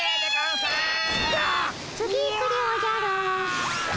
次行くでおじゃる。